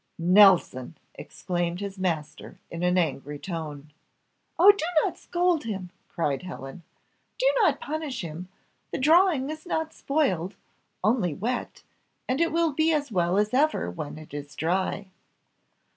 "Nelson!" exclaimed his master in an angry tone. "O do not scold him," cried Helen, "do not punish him; the drawing is not spoiled only wet, and it will be as well as ever when it is dry."